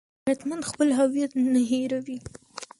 غیرتمند خپل هویت نه هېروي